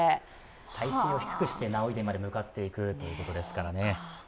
体勢を低くして儺追殿まで向かっていくということですね。